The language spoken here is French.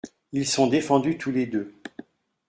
Ils sont défendus tous les deux.